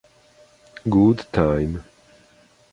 Good Time